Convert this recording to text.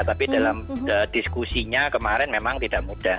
tapi dalam diskusinya kemarin memang tidak mudah